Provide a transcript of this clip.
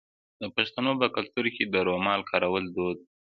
د پښتنو په کلتور کې د رومال کارول دود دی.